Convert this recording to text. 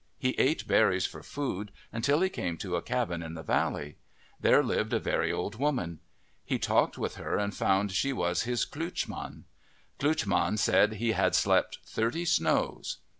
He ate berries for food until he came to a cabin in the valley. There lived a very old woman. He talked with her and found she was his klootchman. Klootch man said he had slept thirty snows.